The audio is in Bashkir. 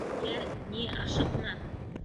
— Йә, ни, ашыҡма.